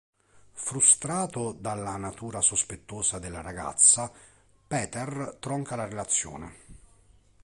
Frustrato dalla natura sospettosa della ragazza, Peter tronca la relazione.